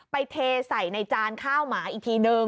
เทใส่ในจานข้าวหมาอีกทีนึง